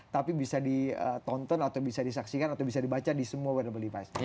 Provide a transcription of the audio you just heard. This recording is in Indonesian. tapi bisa ditonton atau bisa disaksikan atau bisa dibaca di semua wearable device